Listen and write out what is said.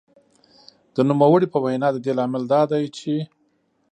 د نوموړې په وینا د دې لامل دا دی چې